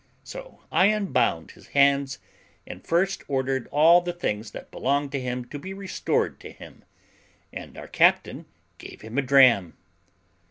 So I unbound his hands, and first ordered all things that belonged to him to be restored to him, and our captain gave him a dram.